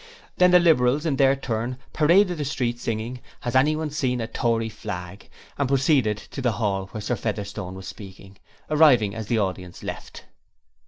Then the Liberals in their turn paraded the streets singing 'Has anyone seen a Tory Flag?' and proceeded to the hall where Sir Featherstone was speaking, arriving as the audience left.